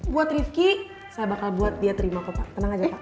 buat rifki saya bakal buat dia terima kok pak tenang aja pak